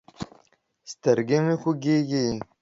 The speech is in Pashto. سترګې مې خوږېږي.